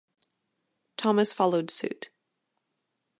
Thomas followed suit.